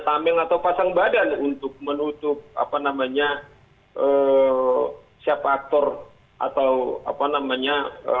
tameng atau pasang badan untuk menutup siapa aktor atau apa namanya